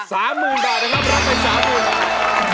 สามหมื่นบาทนะครับรับไปสามหมื่นบาท